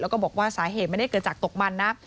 แล้วก็บอกว่าสาเหตุไม่ได้เกิดจากตกมันนะ